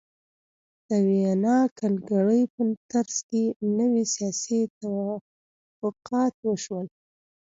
د ویانا کنګرې په ترڅ کې نوي سیاسي توافقات وشول.